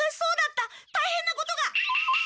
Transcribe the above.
たいへんなことが！